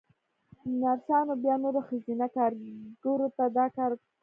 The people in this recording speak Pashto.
نرسانو بيا نورو ښځينه کاريګرو ته د کار ويل کاوه.